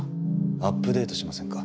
アップデートしませんか？